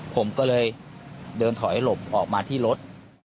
ผมก็เลยเดินถอยหลบออกมาที่รถ